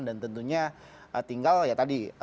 dan tentunya tinggal ya tadi